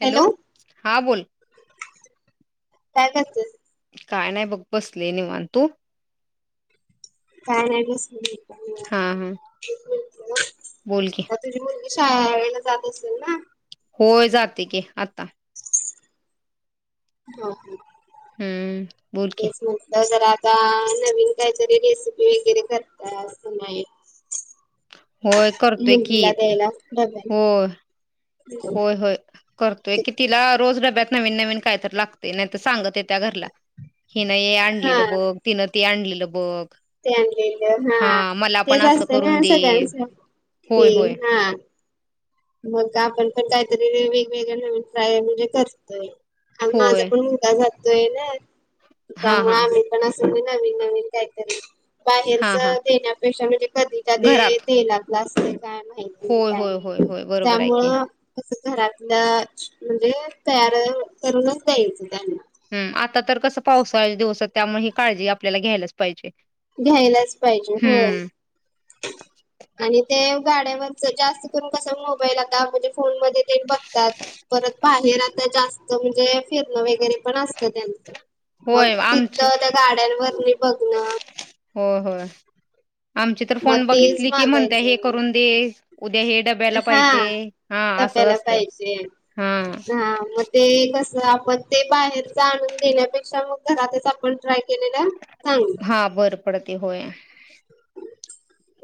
Hello! हा बोल. काय करतेस? काय नाही बघ बसले निवांत, तु? काय नाय बसले मी पण. हा हा. [unintelligible] बोल की. तुझी मुलगी शाळेला जात असेल ना. होय जाते की आता. हा [unintelligible] हम्म. बोल की तेच मन. द जरा आता नवीन काहीतरी रेसिपी वगैरे करत्यात का नाही. होय करतोय की मुलगी ला द्यायला डब्याला. होय होय होय. करतोय की तिला रोज डब्यात नवीन नवीन काय तर लागते नाही तर सांगत येत्या घरला. हिनं हे हा आणलेलं बघ तिनं ते आणलेलं बघ. ते आणलेलं हा मला पण तेच असं असते ना करून दे, सगळ्यांच होय ते होय. हा मग आपण पण काहीतरी वेगवेगळ नवीन ट्राय म्हणजे करतोय आणि माझं होय पण त्या जातोय ना, हा त्यामुळ हा आम्ही पण असल नवीन नवीन काय तरी हा बाहेरच हा देण्यापेक्षा म्हणजे कधी कधी घरात तेलातलं असतय काय माहित. होय होय होय होय, बरोबर आहे‌ की. तस घरातलं म्हणजे तयार करूनच द्यायचं त्याना. हम् आता तर कसं पावसाळ दिवसात त्यामुळ ही काळजी आपल्याला घ्यायलाच पाहिजे. घ्यायलाच पाहिजे होय. हम्म, आणि ते गाड्यावरच जास्त करून कस मोबाईल आता म्हणजे फोन मध्ये ते बघ तात परत बाहेर आता जास्त म्हणजे फिरणं वगैरे पण असतं त्यांचं. मग होय आमचे तिथं त्या गाड्यांवर नी बघणं. होय, होय, आमची तर मग फोन तेच बघितली की म्हणते हे मागायचं. करून- ये, उद्या ये. डब्याला पाहिजे, हा हा असं डब्याला असतय पाहिजे. हा. हा मग ते कस आपण ते बाहेरच आणून देण्यापेक्षा, मग घरातच आपण- ट्राय केलेलं चांगलं. हां बर. पडते होय.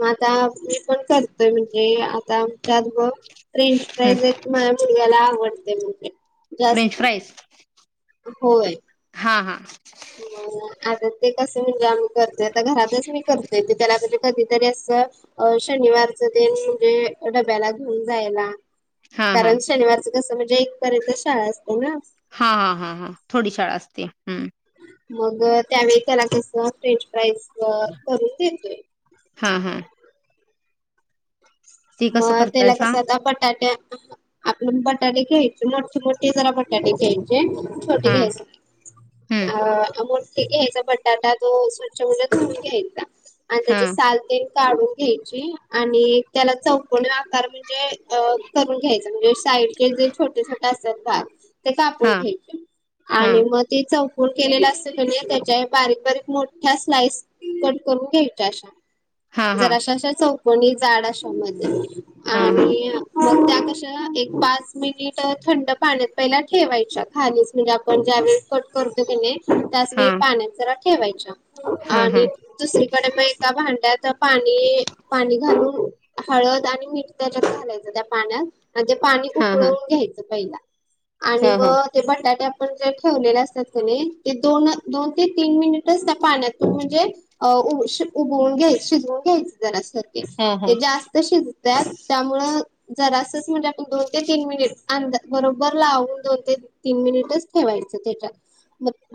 मग आता मी पण करतोय म्हणजे, आता आमच्यात बघ फ्रेंच हं फ्राईज- माया मुलग्याला आवडते म्हण ते. French fries. होय. हा, हा. म आता ते कस म्हणजे आम्ही करते, आता घरातच मी करत- नाही तर, त्याला म्हणजे कधीतरी असं- अ.. शनिवारच तेन म्हणजे डब्याला घेऊन जायला. हा, हा. कारण, शनिवारचं कसं म्हणजे एकपर्यंत शाळा असते ना. हा, हा, हा, हा थोडी शाळा असते. हम्. मग त्यावेळी त्याला कस फ्रेंच प्राईज करून देतोय. हा, हा. ती कसं मग तेला करतायसा? कस, आता बटाट्या- आपल्या बटाटे घ्यायचे मोठे, मोठे जरा बटाटे घ्यायचे, छोटे हा, घ्यायचे हं, नाही. अ. मोठे घ्यायचा बटाटा तो स्वच्छ म्हणजे धुऊन घ्यायचा. आणि हा, त्याची हम्म साल तेन काढून घ्यायची आणि त्याला- चौकोनी आकार म्हणजे अ.. करून घ्यायचा म्हणजे- साईडचे जे छोटे, छोटे असतात भाग, ते कापून हा, घ्यायचे. हा, आणि मग ते चौकून केलेलं असतं कनी, त्याच्या बारीक, बारीक मोठ्या स्लाईस- कट करून घ्यायच्या अशा. हा, हा. जरशा अशा चौकणी जाड अशामध्ये हा, हा, हा, आणि मग त्या- एक पाच मिनिट थंड पाण्यात पहिला ठेवायच्या खालीच म्हणजे, आपण ज्या वेळेस- करतो की नाही - त्यासनी हा, पाण्यात जरा ठेवायच्या हा, हा, हा, आणि दुसरीकडे मग एका भांड्यात- पाणी, पाणी घालून हळद आणि मीठ त्याच्यात घालायचं, त्या पाण्यात- आणि ते पाणी हा, हा, उकळवून घ्यायचं पहिला आणि हा, हा, मग- ते बटाटे आपण जे ठेवलेले असतात कनी, ते दोन, दोन ते तीन मिनिटच त्या पाण्यातून म्हणजे- अ उक- शिज- उभवून घ्यायच, शिजवून घ्यायच जरास. हा, ते हा. जास्त शिजत्यात, त्यामुळे जरासच म्हणजे, आपण दोन ते तीन मिनिट- अंदाजे बरोबर लावून दोन ते तीन मिनिटच ठेवायचं त्याच्यात.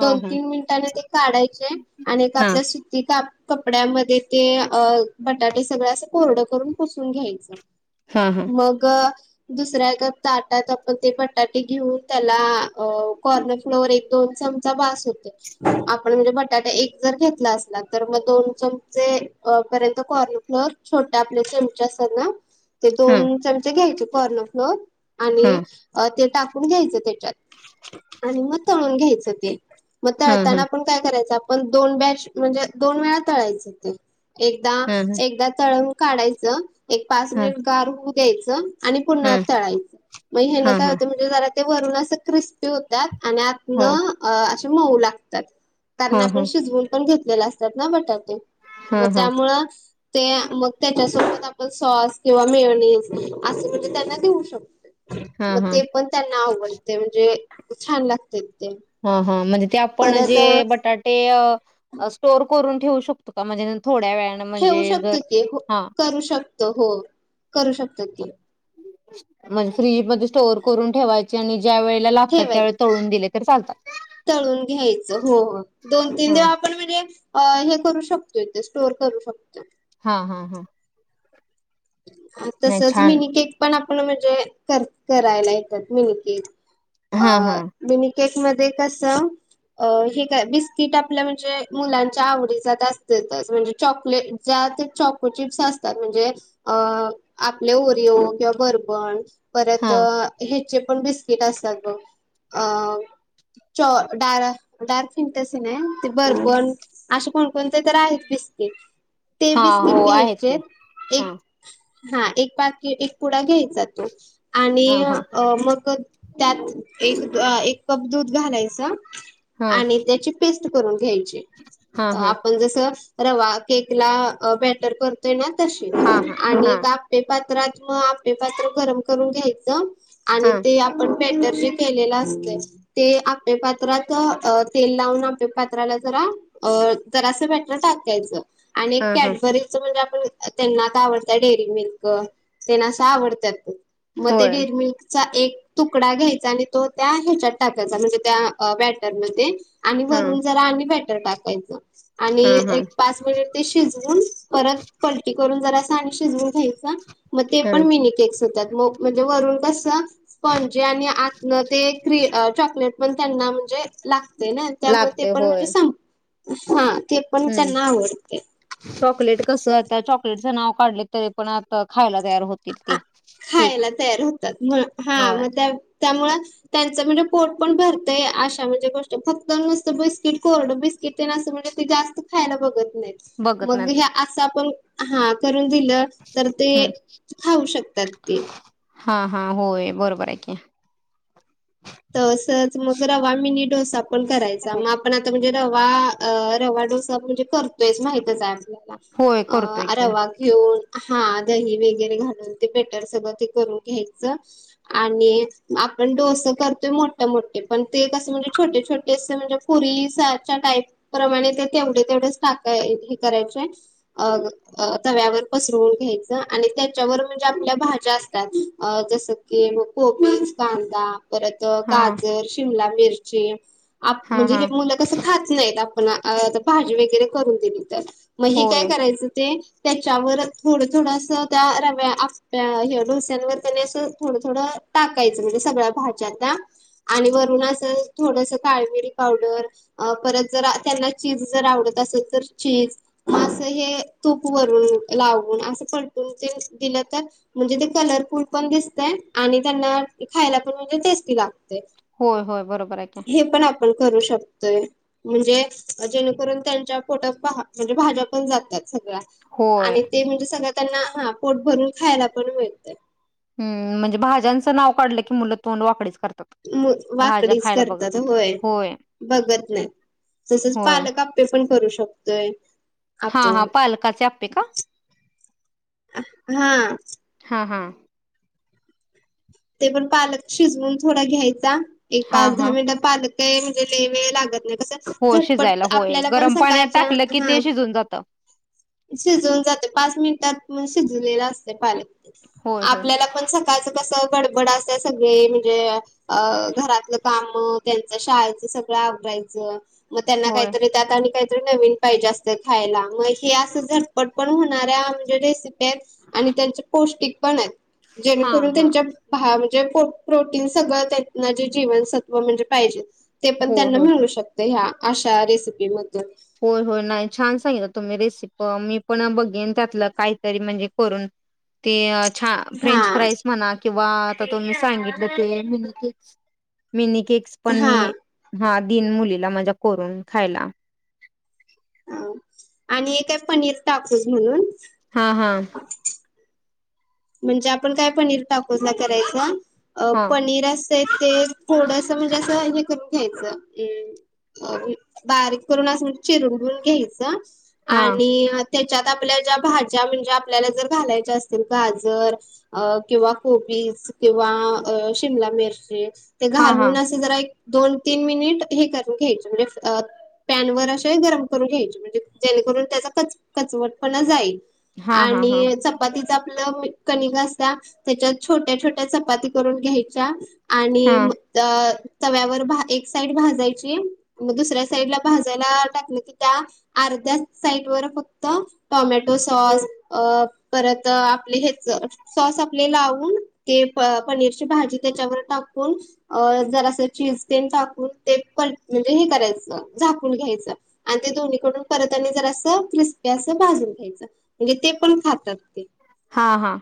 हा, दोन, हा, तीन मिनिटांने ते काढायचे आणि एक आपल्या सुती काप- कपड्यामध्ये ते अ बटाटे सगळे असं कोरडं करून पुसून घ्यायचं. हा, हा. मग- दुसऱ्या एका ताटात आपण ते बटाटे घेऊन त्याला कॉर्न- फ्लेवर एक, दोन चमचा बास होतय. आपण म्हणजे बटाटे एक जर घेतला असला तर, मग दोन चमचे पर्यंत कॉर्न फ्लोअर- छोट्या आपल्या चम- तसं ना. ते दोन चमचे घ्यायचे. कॉर्नर फ्लोअर आणि ते टाकून घ्यायचं त्याच्यात. आणि मग तळून घ्यायचं ते. मग तळताना हा, पण काय करायचं आपण. दोन बॅश, म्हणजे दोन वेळा तळायचं ते. हा, हा, एकदा- एकदा तळून काढायचं. एक पाच हा, मिनिट गार होऊ द्यायचं. आणि पुन्हा हा. तळायचं. मग हा हेन काय हा होते, म्हणजे जरा ते वरून असं क्रिस्पी होतात. आणि आत हो न असे मऊ लागतात. कारण, हो आपण हो शिजवून ण घेतलेले असतात ना बटाटे. मग हा हा त्यामूळं, ते मग त्यांच्यासोबत आपण सॉस किंवा मेओनीज. असं म्हणजे त्यांना देऊ शक हा मग हा ते पण त्यांना आवडतय. म्हणजे छान लागतेत ते. हा, हा. म्हणजे ते आपण परत जे, बटाटे स्टोअर करून ठेवू शकतो का? म्हणजे नंतर ठेवू शकतो की. हो, करू शकतो. हो, करू शकतो की. म्हणज फ्रीजमध्ये स्टोअर करून ठेवायचे. आणि ज्या वेळेला लागतात. ठेवाय त्यावेळी तळून दिले, तर चालतात. तळून घ्यायचं. हो, हो. दोन- ह तीन देव आपण म्हणजे अ हे करू शकतोय. ते स्टोअर करू शकतोय. हा, हा, हा. नाही तसच छान मीनी केक पण आपण म्हणजे, कर - करायला येतात. मिनि के अ हा हा मिनी केक मध्ये कसं अ हे काय, बिस्किट आपल्या म्हणजे, मुलांच्या आवडीचं आता असतेतच. म्हणजे चॉकलेट ज्या ते चॉको चिप्स असतात. म्हणजे अ आपले ओरियओ किंवा बर्बण. परत हा ह्याचे पण बिस्कि किट असतात बघ. अ चॉ ड डार्क फिंटसी नाही. ते बरबण असे कोणकोणते तर आहेत बिस्किट. ते हा बिस्किट हो आहेत की घ्यायचेत. हा एक हा एक पाकी, एक पुडा घ्यायचा तो. आणि हा हा अ मग त्यात एक अ एक कप दूध घालायचं. हा आणि त्याची पेस्ट करून घ्यायची. हा हा आपण जसं रवा, केकला बॅटर करतोय ना तशी. हा हा आणि हा एक आपेपात्रात. मग आपेपात्र गरम करून घ्यायचं आणि हा तेआप्पे पण बेटर जे केलेला असतय ते आप्पे पात्रात, तेल लावून आप्पे पात्राला जरा अ तर असं बेटर टाकायचं. आणि एक हा हा कॅडबरीचं म्हणजे, आपण त्यांना आता आवडत त्या डेअरी मिल्क, तेन असं आवडतात. मग त्या होय डेअरी मिल्क चा एक तुकडा घ्यायचा. आणि तो त्या ह्याच्यात टाकायचा. म्हणजे त्या बॅटरमध्ये आणि हा भरून जरा आणि बॅटर टाकायच. आणि हा हा एक पाच मिनिट ते शिजवून, परत पलटी करून जरासं आणि शिजवून घ्यायचा. मग ते हा पण मिनी केेक्स होतात. मग म्हणजे वरुण कसं पणजे आणि आतन ते, क्री चॉकलेट पण त्यांना म्हणजे लाग ते ना. त्यामुळे ते लागते पण होय म्हणजे, संप, हा ते पण हम्म त्यांना आवडते. चॉकलेट कस आता, चॉकलेटचं नाव काढले तरी, पण आता खायला तयार होत तील आ- ती. खायला तयार होतात. म हा होय मग त्या त्यामुळं त्यांचं म्हणजे पोट पण भरतय. अशा म्हणजे गोष्ट. फक्त नसतं बिस्किट कोरडं बस् किट न ते असं म्हणजे ते, जास्त खायला बघत नाहीत. बघत मग नाहीत असं आपण हा करून दिलं तर ते हम्म खाऊ शकतात. ते. हा हा. होय बरोबर आहे की. तसच मग रवा मिनी डोसा पण करायचा. मग आपण आता म्हणजे रवा रवा डोसा म्हणजे करतोयच माहितच आहे आपल्याला. होय करतोय अ की रवा. घेऊन. हा. दही वगैरे घालून ते बेटर सगळं ते करून घ्यायचं. आणि आपण डोस करतो. तो मोठ्या मोठे पण ते कसं म्हणजे छोटे छोटे असे तुरलिसाच्या टाईप प्रमाणे ते तेवढे तेवढेच टाका हे करायचे अ. अ तव्यावर पसरवून घ्यायचं आणि त्याच्यावर म्हणजे आपल्या भाज्या असतात. जसं. की कोबीच, कांदा परत हा गजर, शिमला मिरची. आप हा म्हणजे हा हे मुलं कस खा खातच नाहीत. आपण भाजी वगैरे करून दिली तर, मग हे काय होय करायचं ते. त्याच्यावर थोडं थोडं अस त्या रव्या आप्या ह डोस्यांवर त्यानी असं थोडं थोडं टाकायचं म्हणजे सगळ्या भाज्याना आणि वरून असं थोडस काळमिरी पावडर. अ परत जर त्यांना चीज जर आवडत असेल तर चीज. म असं हे तूप वरून लावून असं पलटून ते दिलं तर म्हणजे ते कलरफुल पण दिसतय आणि त्यांना खायला पण म्हणजे टेस्टी लागते. होय होय बरोबर आहे की. हे पण आपण करू शकतोय. म्हणजे जेणेकरून त्यांच्या पोट म्हणजे भाज्या पण जात्यात सगळ्या. होय आणि ते म्हणजे सगळं त्यांना हा. पोट भरून खायला पण मिळत. हम म्हणजे भाज्यांचं नाव काढलं की मुलं तोंड वाकडीच करतात. भाज्या वाकडीच खायला बघत करतात नाहीत होय बघत नाही तसच होय पालक. ते पण करू शकतोय. हा हा आपण. पालकाचे आप्पे का हा. हा हा. ते पण पालक शिजवून थोडा घ्यायचा. एक हा पाच हा दहा मिनटात. पालक काय म्हणजे लई वेळ लागत नाही. होय झटपट शिजायला होय आपल्याला पण गरम पाण्यात सकाळच्या टाकलं की हा. ते शिजून जातं शिजवून जाते पाच मिनिटात पण शिजलेला असते पालक होय होय आपल्याला पण. सकाळचं कस गडबड असत्या सगळे म्हणजे. अ घरातलं काम त्यांच शाळेचं सगळं आवरायचं मग त्यांना होय काहीतरी. त्यात आणि काहीतरी नवीन पाहिजे असत खायला. मग हे असं झटपट पण होणाऱ्या म्हणजे रेसिपी आहेत. आणि त्यांचे पौष्टिक पण आहेत हा जेणेकरून हा त्यांच्या. भा म्हणजे प्रोटीन सगळं त्यांना जे जीवनसत्व म्हणजे पाहिजे. ते पण होय त्यांना होय मिळू शकते ह्या अशा रेसिपीमधून. हो हो. नाही छान सांगित तुम्ही रेसिप. मी पण बघेन त्यातलं काहीतरी म्हणजे करून. ते छान हा फ्रेंच फ्राईज. म्हणा किंवा आता तु्ही सांगितलं ते मिनी केक्स मिनी केेक्स पण मी. हा हा दिन मुलीला माझा करून खायला. आणि एक आहे पनीर टाकूज म्हणून. हा हा. म्हणजे आपण काय पनीर टाकून नाही करायच. अ हा पनीर अस असतय. ते थोडस म्हणजे असं हे करून घ्यायचं. हम. अ बारीक करून अस म्ह चिरून बून घ्यायचं. हा आणि त्याच्यात आपल्या ज्या भाज्या म्हणजे आपल्याला जर घालायच्या असतील. गाजर अ किंवा कोबीज किंवा शिमला मिरची ते हा हा घालून असे जरा एक दोन तीन मिनिट हे करुन घ्यायचे म्हणजे अ पॅन वर अशे गरम करून घ्यायचे म्हणजे जेणेकरून त्याचा कच कचवटपणा जाईल. हा हा हा आणि चपातीचा प्लम कणिग असत्या त्याच्यात छोट्या-छोट्या चपाती करून घ्यायच्या. आणि हा म त तव्यावर एक साइड भाजायची. मग दुसऱ्या साईडला भाजायला टाकलं की त्या अर्ध्या साईड वर फक्त टोमॅटो सॉस अ परत त आपली हेच. सॉस आपले लावून ते पनीरची भाजी त्याच्यावर टाकून अ जरासं चिज तेन टाकून ते पल म्हणजे हे करायचं झाकून घ्यायचं. आणि ते दोन्हीकडून परत आणि जरासं क्रिस्पी असं भाजून घ्यायचं. म्हणजे ते पण खातात ते. हा हा.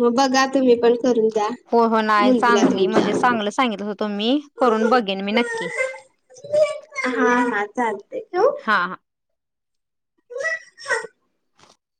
म बघा तुम्ही पण. करून द्या हो हो नाही मुलगीला चांगली म्हणजे तुमच्या चांगलं सांगितला तुम्ही करून बघेन मी नक्की. हा हा चालतय ठेवू. हां हां.